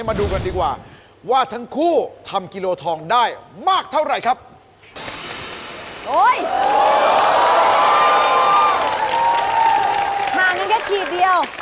มางั้นแค่ขีดเดียว